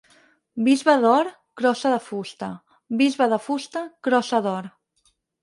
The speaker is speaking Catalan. Bisbe d'or, crossa de fusta; bisbe de fusta, crossa d'or.